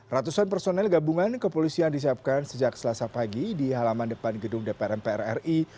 ratusan personel gabungan ke polisi yang disiapkan sejak selasa pagi di halaman depan gedung dprm prri